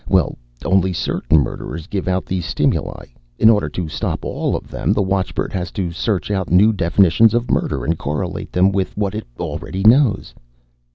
Well, only certain murderers give out these stimuli. In order to stop all of them, the watchbird has to search out new definitions of murder and correlate them with what it already knows."